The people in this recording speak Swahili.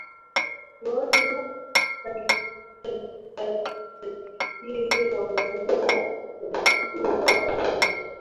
Joan alifikiri wanaume walikuwa bora